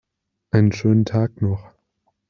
Einen schönen Tag noch!